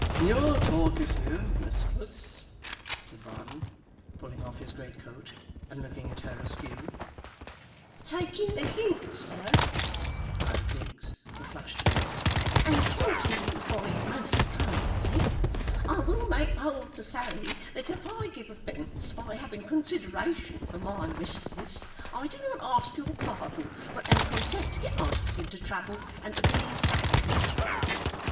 'You're talkative, mistress,' said Varden, pulling off his greatcoat, and looking at her askew. 'Taking the hint, sir,' cried Miggs, with a flushed face, 'and thanking you for it most kindly, I will make bold to say, that if I give offence by having consideration for my mistress, I do not ask your pardon, but am content to get myself into trouble and to be in suffering.